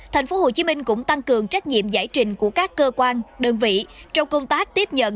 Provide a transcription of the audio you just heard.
tp hcm cũng tăng cường trách nhiệm giải trình của các cơ quan đơn vị trong công tác tiếp nhận